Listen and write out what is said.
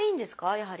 やはり。